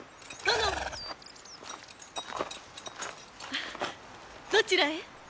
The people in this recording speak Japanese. あどちらへ？